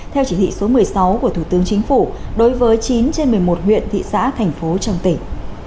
theo chỉ thị số một mươi sáu của thủ tướng chính phủ đối với chín trên một mươi một huyện thị xã thành phố trong tỉnh